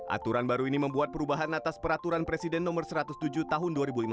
aturan baru ini membuat perubahan atas peraturan presiden no satu ratus tujuh tahun dua ribu lima belas